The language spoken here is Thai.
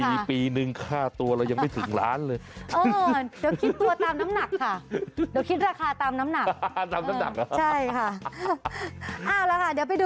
ดูแต่ว่าน้องเขาสวยมากเลยนะคะ